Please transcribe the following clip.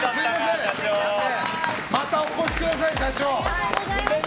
またお越しください、社長。